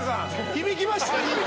響きました？